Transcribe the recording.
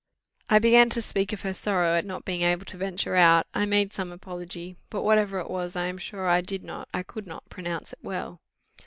I began to speak of her sorrow at not being able to venture out; I made some apology, but whatever it was, I am sure I did not, I could not, pronounce it well.